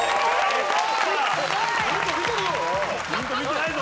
ヒント見てるぞ。